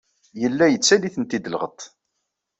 Yella yettaley-tent-id lɣeṭṭ.